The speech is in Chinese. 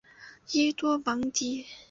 伊多芒迪。